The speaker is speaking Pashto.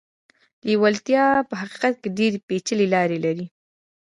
لېوالتیا په حقيقت کې ډېرې پېچلې لارې لري.